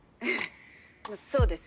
「そうですね。